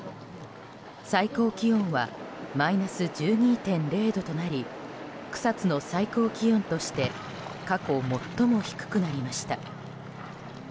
最高気温はマイナス１２．０度となり草津の最高気温として過去最も低くなりました。